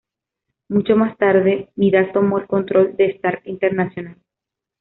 Mucho más tarde, Midas tomó el control de Stark Internacional.